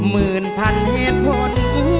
หมื่นพันเหตุผล